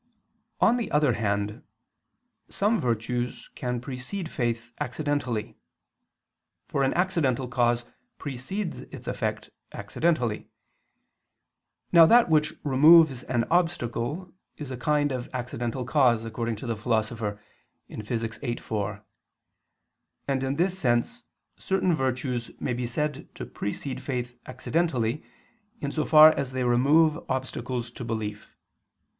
On the other hand, some virtues can precede faith accidentally. For an accidental cause precedes its effect accidentally. Now that which removes an obstacle is a kind of accidental cause, according to the Philosopher (Phys. viii, 4): and in this sense certain virtues may be said to precede faith accidentally, in so far as they remove obstacles to belief.